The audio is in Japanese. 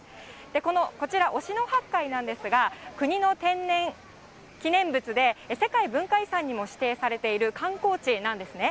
このこちら、忍野八海なんですが、国の天然記念物で、世界文化遺産にも指定されている観光地なんですね。